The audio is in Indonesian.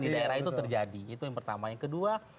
di daerah itu terjadi itu yang pertama yang kedua